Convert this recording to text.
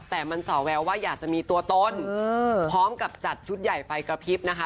แต่มันสอแววว่าอยากจะมีตัวตนพร้อมกับจัดชุดใหญ่ไฟกระพริบนะคะ